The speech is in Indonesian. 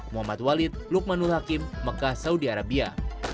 muhammad walid lukmanul hakim mekah saudi arabia